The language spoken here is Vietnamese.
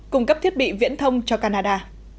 cung cấp thiết bị viễn thông cho canada